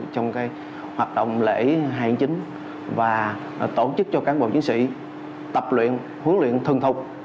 trong cái hoạt động lễ hai tháng chín và tổ chức cho các bộ chiến sĩ tập luyện huấn luyện thân thục